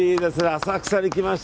浅草に来ました。